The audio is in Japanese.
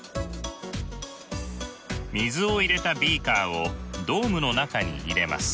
水を入れたビーカーをドームの中に入れます。